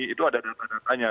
itu ada data datanya